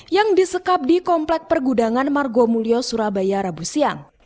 yang disekap di komplek pergudangan margomulyo surabaya rabu siang